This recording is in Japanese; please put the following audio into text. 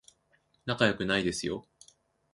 仲良くないですよ